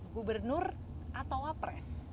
gubernur atau wapres